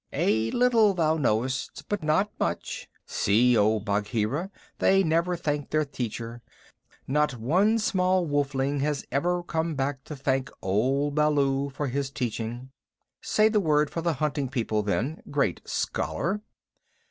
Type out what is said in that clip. "A little thou knowest, but not much. See, O Bagheera, they never thank their teacher. Not one small wolfling has ever come back to thank old Baloo for his teachings. Say the word for the Hunting People, then great scholar."